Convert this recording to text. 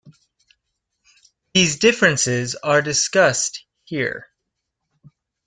These differences are discussed here.